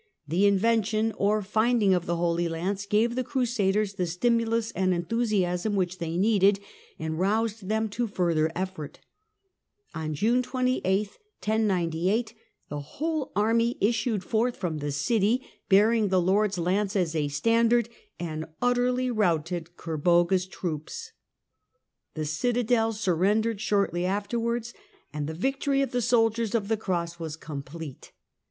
The " Inven tion " or " Finding " of the Holy Lance gave the Crusaders the stimulus and enthusiasm which they needed, and roused them to further effort. On June 28, 1098, the Battle of whole army issued forth from the city, bearing the "Lord's Defeat of Lance " as a standard, and utterly routed Kerboga's j^fne 2?!' troops. The citadel surrendered shortly afterwards, and ^^^^ the victory of the soldiers of the Cross was complete.